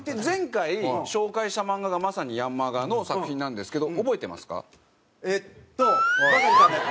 前回紹介した漫画がまさに『ヤンマガ』の作品なんですけど覚えてますか？